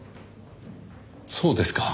そうですか。